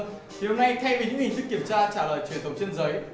thì hôm nay theo những hình thức kiểm tra trả lời truyền thống trên giấy